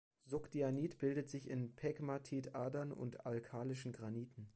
Sogdianit bildet sich in Pegmatit-Adern und alkalischen Graniten.